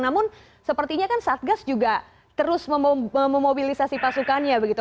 namun sepertinya kan satgas juga terus memobilisasi pasukannya begitu